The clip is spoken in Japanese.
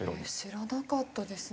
知らなかったですね。